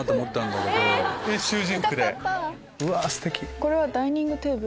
これはダイニングテーブル？